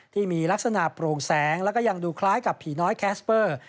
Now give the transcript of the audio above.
ที่มีลักษณะโปร่งแสงแล้วก็ยังดูคล้ายกับผีน้อยแคสเปอร์